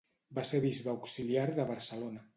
Va ser bisbe auxiliar de Barcelona.